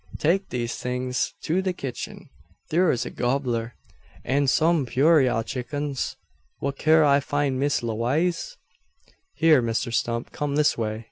Take these things to the kitchen. Thur's a gobbler, an some purayra chickens. Whar kin I find Miss Lewaze?" "Here, Mr Stump. Come this way!"